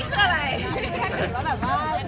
สามาที